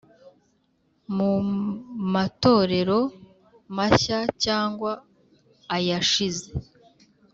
mu matorero mashya cyangwa ayashize